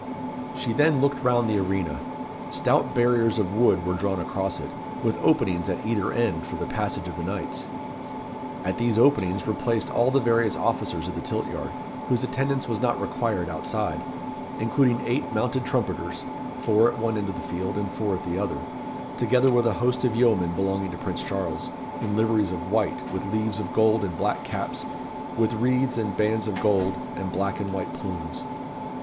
She then looked round the arena. Stout barriers of wood were drawn across it, with openings at either end for the passage of the knights. At these openings were placed all the various officers of the tilt yard, whose attendance was not required outside, including eight mounted trumpeters, four at one end of the field, and four at the other, together with a host of yeomen belonging to Prince Charles, in liveries of white, with leaves of gold, and black caps, with wreaths and bands of gold, and black and white plumes.